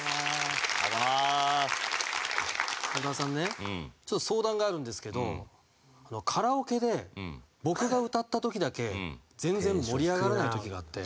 小田さんねちょっと相談があるんですけどカラオケで僕が歌った時だけ全然盛り上がらない時があって。